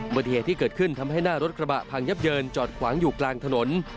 ปฏิเหตุที่เกิดขึ้นทำให้หน้ารถกระบะพังยับเยินจอดขวางอยู่กลางถนน